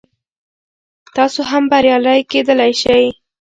تاسو هم بریالی کیدلی شئ.